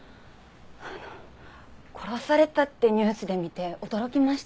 あの殺されたってニュースで見て驚きました。